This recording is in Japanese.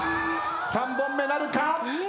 ３本目なるか？